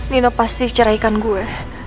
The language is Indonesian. nino pasti ceraikan gue